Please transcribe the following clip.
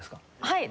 はい。